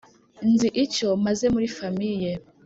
nzi icyo mazemuri famiye